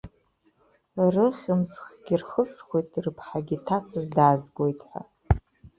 Рыхьымӡӷгьы рхысхуеит, рыԥҳагьы ҭацас даазгоит ҳәа.